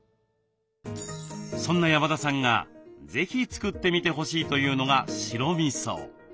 そんな山田さんが是非作ってみてほしいというのが白みそ。